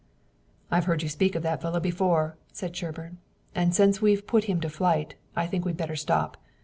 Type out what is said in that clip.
"I've heard you speak of that fellow before," said Sherburne, "and since we've put him to flight, I think we'd better stop.